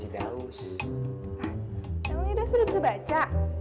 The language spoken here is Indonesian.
emangnya udah bisa baca